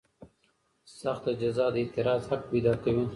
سخته جزا د اعتراض حق پیدا کوي.